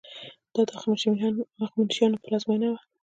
دا د هخامنشیانو پلازمینه وه.